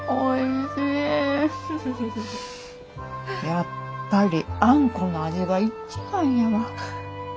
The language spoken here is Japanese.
やっぱりあんこの味が一番やわ。